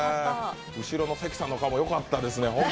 後ろの関さんの顔もよかったですね。